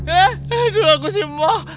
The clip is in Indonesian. eh aduh aku simpoh